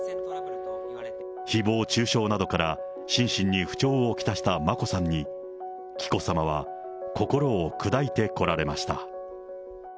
ひぼう中傷などから心身に不調を来した眞子さんに、紀子さまは心を砕いてこられました。